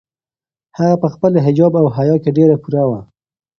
هغه په خپل حجاب او حیا کې ډېره پوره وه.